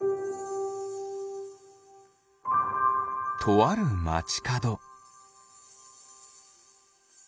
とあるまちかど。